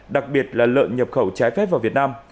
đặc biệt là lợn nhập khẩu trái phép vào việt nam